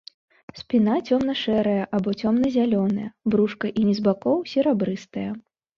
Спіна цёмна-шэрая або цёмна-зялёная, брушка і ніз бакоў серабрыстыя.